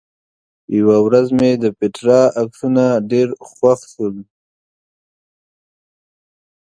یوه ورځ مې د پېټرا عکسونه ډېر خوښ شول.